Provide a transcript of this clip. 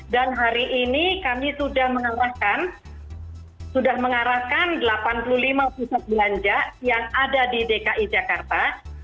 dan hari ini kami sudah mengarahkan delapan puluh lima pusat belanja yang ada di dki jakarta